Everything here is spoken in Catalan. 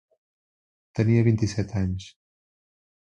Tenia vint-i-set anys.